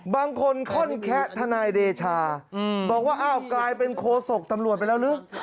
บางคนค่อนแคะทนายเดชาบอกว่าอ้าวกลายเป็นโคศกตำรวจไปแล้วหรือ